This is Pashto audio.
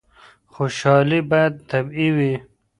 خوشحالي باید طبیعي وي.